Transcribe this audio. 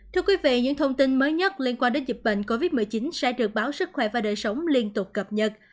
thưa quý vị những thông tin mới nhất liên quan đến dịch bệnh covid một mươi chín sẽ được báo sức khỏe và đời sống liên tục cập nhật